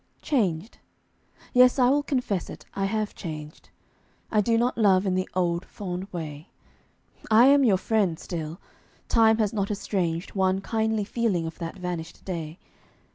Changed? Yes, I will confess it I have changed. I do not love in the old fond way. I am your friend still time has not estranged One kindly feeling of that vanished day.